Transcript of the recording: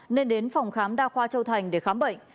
nên đến phòng khám đa khoa châu thành để khám bệnh